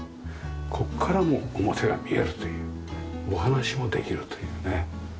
ここからも表が見えるというお話もできるというね。